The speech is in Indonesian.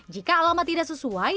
jika alamat tidak sesuai